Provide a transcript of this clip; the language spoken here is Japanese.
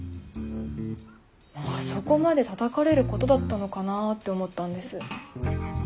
あそこまでたたかれることだったのかなって思ったんです。